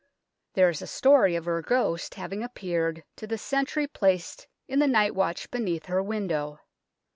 There is a story of her ghost having appeared to the sentry placed in the night watch beneath her window.